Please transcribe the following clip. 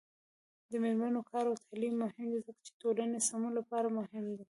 د میرمنو کار او تعلیم مهم دی ځکه چې ټولنې سمون لپاره مهم دی.